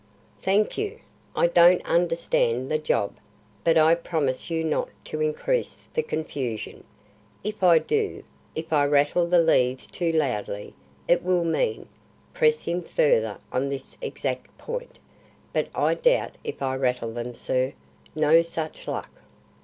"Thank you. I don't understand the job, but I promise you not to increase the confusion. If I do; if I rattle the leaves too loudly, it will mean, 'Press him further on this exact point,' but I doubt if I rattle them, sir. No such luck."